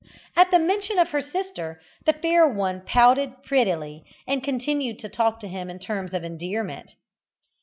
At the mention of her sister the fair one pouted prettily, and continued to talk to him in terms of endearment.